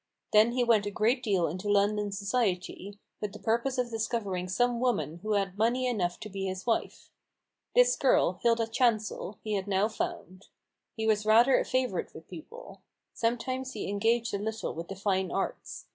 Then he went a great deal into London society, with the purpose of discovering some woman who had money enough to be his wife. This girl, Hilda Chancel, he had now found. He was rather a favourite with people. Some times he engaged a little with the fine arts.